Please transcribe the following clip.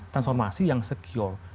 transformasi yang secure